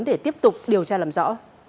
để tiếp tục điều tra làm rõ